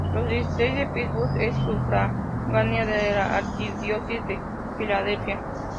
La Diócesis de Pittsburgh es sufragánea de la Arquidiócesis de Filadelfia.